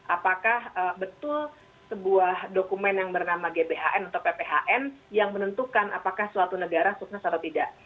apakah betul sebuah dokumen yang bernama gbhn atau pphn yang menentukan apakah suatu negara sukses atau tidak